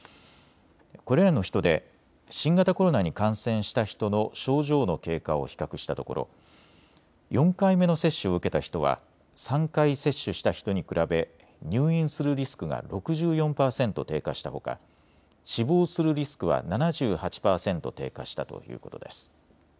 これらの人で新型コロナに感染した人の症状の経過を比較したところ４回目の接種を受けた人は３回接種した人に比べ入院するリスクが６４％低下したほか死亡するリスクは７８％低下したということです。